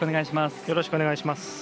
よろしくお願いします。